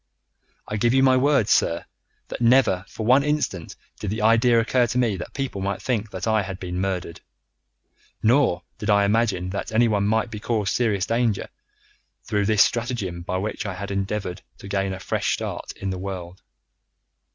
"I give you my word, sir, that never for one instant did the idea occur to me that people might think that I had been murdered, nor did I imagine that anyone might be caused serious danger through this stratagem by which I endeavoured to gain a fresh start in the world.